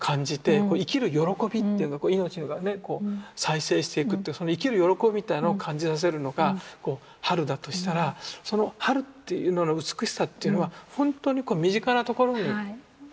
生きる喜びっていうのこう命がね再生していくっていうその生きる喜びみたいなのを感じさせるのが春だとしたらその春っていうのの美しさっていうのは本当に身近なところにあるんだよと。